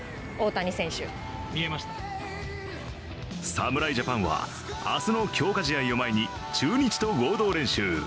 侍ジャパンは明日の強化試合を前に中日と合同練習。